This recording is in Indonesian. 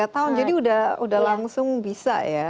tiga tahun jadi udah langsung bisa ya